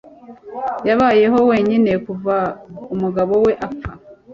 Yabayeho wenyine kuva umugabo we apfa.